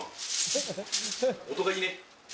音がいいね。